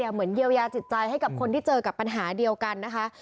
เหมือนเยียวยาจิตใจให้กับคนที่เจอกับปัญหาเดียวกันนะคะ